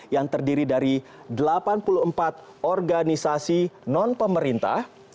yang terdiri dari delapan puluh empat organisasi non pemerintah